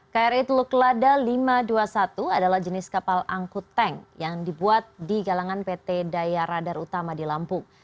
kri teluk lada lima ratus dua puluh satu adalah jenis kapal angkut tank yang dibuat di galangan pt daya radar utama di lampung